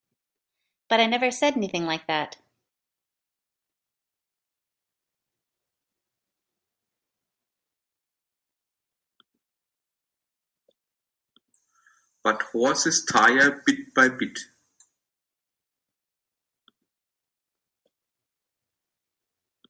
But I never said anything like that.